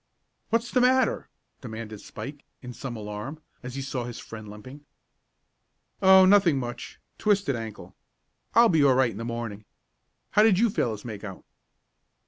"What's the matter?" demanded Spike, in some alarm, as he saw his friend limping. "Oh, nothing much. Twisted ankle. I'll be all right in the morning. How did you fellows make out?"